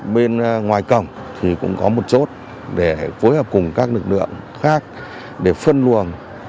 bên ngoài cổng thì cũng có một chốt để phối hợp cùng các lực lượng khác để phân luồng